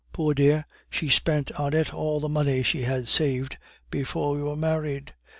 "Poor dear! she spent on it all the money she had saved before we were married.